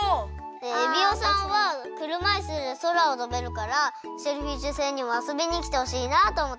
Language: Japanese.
エビオさんはくるまいすでそらをとべるからシェルフィッシュ星にもあそびにきてほしいなとおもってかきました。